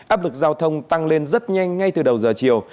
áp lực giao thông tăng lên rất nhanh ngay từ đầu giờ chiều